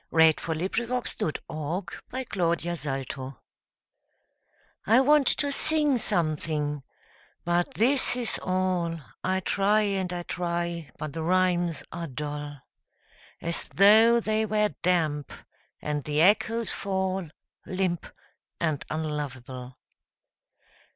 A SCRAWL I want to sing something but this is all I try and I try, but the rhymes are dull As though they were damp, and the echoes fall Limp and unlovable.